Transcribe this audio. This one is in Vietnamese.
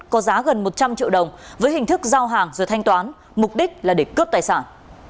có giá gần một trăm linh triệu đồng với hình thức giao hàng rồi thanh toán mục đích là để cướp tài sản